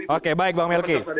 oke baik bang melki